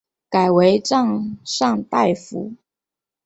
改为赞善大夫。